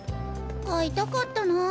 飼いたかったな。